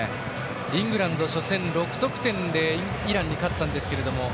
イングランド初戦は６得点でイランに勝ったんですけれども。